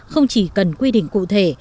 không chỉ cần quy định cụ thể